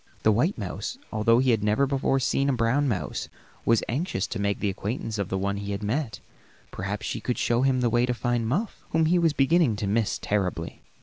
The white mouse, although he had never before seen a brown mouse, was anxious to make the acquaintance of the one he had met; perhaps she could show him the way to find Muff, whom he was beginning to miss terribly.